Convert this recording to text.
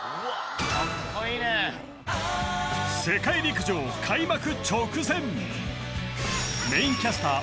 世界陸上開幕直前メインキャスター